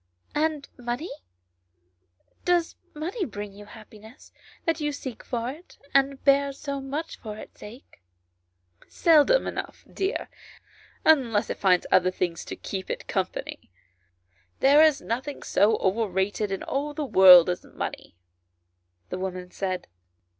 " And money ? Does money bring you happi ness that you seek for it, and bear so much for its sake ?"" Seldom enough, dear, unless it finds other things to keep it company. There is nothing so overrated in all the world as money," the woman said.